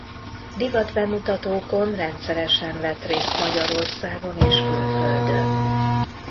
Divatbemutatókon rendszeresen vett részt Magyarországon és külföldön.